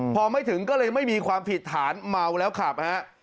พอไม่ถึงก็เลยไม่มีความผิดฐานเมาแล้วขับฮะ